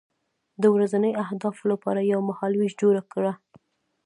د ورځني اهدافو لپاره یو مهالویش جوړ کړه.